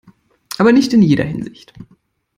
Aber nicht in jeder Hinsicht.